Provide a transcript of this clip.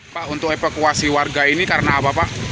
pak untuk evakuasi warga ini karena apa pak